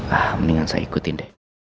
ah mendingan saya ikutin deh